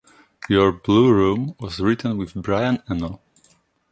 "Your Blue Room" was written with Brian Eno.